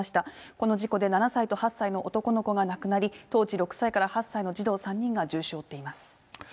この事故で７歳と８歳の男の子が亡くなり、当時６歳から８歳の児童３人が重傷を負っています。